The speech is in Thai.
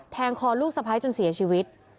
คอลูกสะพ้ายจนเสียชีวิต